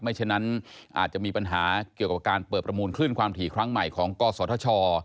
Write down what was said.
ฉะนั้นอาจจะมีปัญหาเกี่ยวกับการเปิดประมูลคลื่นความถี่ครั้งใหม่ของกศธช